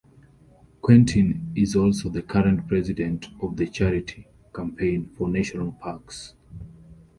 Quentin is also the current president of the charity, Campaign for National Parks.